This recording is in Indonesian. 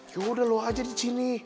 yaudah lo aja di sini